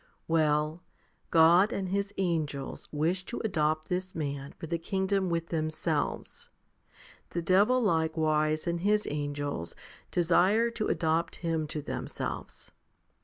24. Well, God and His angels wish to adopt this man for the kingdom with themselves, the devil likewise and his angels desire to adopt him to themselves.